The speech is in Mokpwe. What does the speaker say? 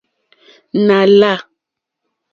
Nà lâ.